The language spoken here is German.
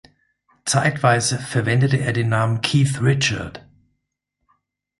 Zeitweise verwendete er den Namen Keith Richard.